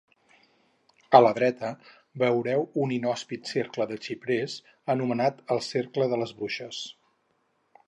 A la dreta veureu un inhòspit cercle de xiprers anomenat el Cercle de les bruixes.